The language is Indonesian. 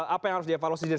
apa yang harus diapalosikan